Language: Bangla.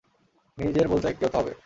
নিজের বলতে কেউ তো হবে।